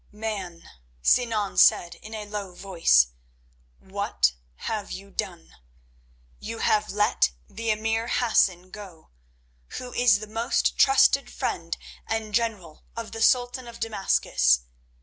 "Man," Sinan said in a low voice, "what have you done? You have left the emir Hassan go, who is the most trusted friend and general of the Sultan of Damascus.